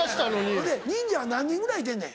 ほいで忍者は何人ぐらいいてんねん。